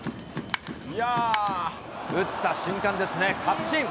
打った瞬間ですね、確信。